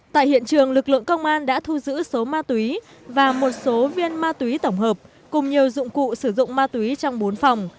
tại hiện trường lực lượng công an đã thu giữ số ma túy và một số viên ma túy tổng hợp cùng nhiều dụng cụ sử dụng ma túy trong bốn phòng